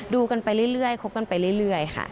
ดูกันไปเรื่อยคบกันไปเรื่อยค่ะ